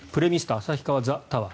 旭川ザ・タワー。